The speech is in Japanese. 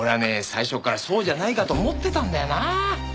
最初からそうじゃないかと思ってたんだよなあ。